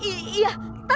demi demi musim werdamu